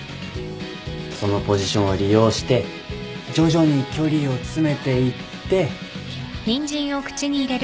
そのポジションを利用して徐々に距離を詰めていって。